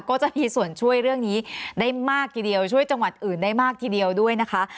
ก็จะมีส่วนช่วยเรื่องนี้ได้มากทีเดียวช่วยจังหวัดอื่นได้มากทีเดียวด้วยนะคะ